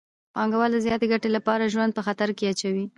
پانګوال د زیاتې ګټې لپاره ژوند په خطر کې اچوي